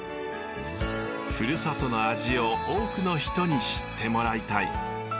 ふるさとの味を多くの人に知ってもらいたい。